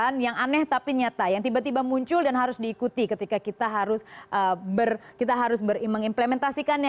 ini bukan yang aneh tapi nyata yang tiba tiba muncul dan harus diikuti ketika kita harus berimplementasikannya